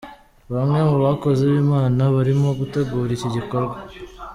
Bamwe mu bakozi b'Imana barimo gutegura iki gikorwa.